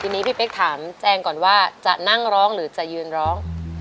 ทีนี้พี่เป๊กถามแจงก่อนว่าจะนั่งร้องหรือจะยืนร้อง